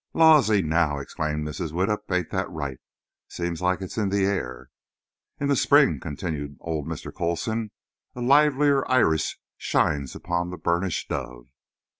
'" "Lawsy, now!" exclaimed Mrs. Widdup; "ain't that right? Seems like it's in the air." "'In the spring,'" continued old Mr. Coulson, "'a livelier iris shines upon the burnished dove.